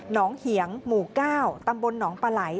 หนองเหยียงหมู่ก้าวตำบลหนองปลาไหล